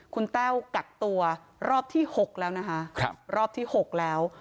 คุณแต้วกักตัวรอบที่๖แล้วนะคะรอบที่๖แล้ว